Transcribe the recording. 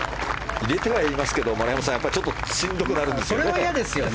入れてはいますけど、丸山さんちょっとしんどくなるんですね。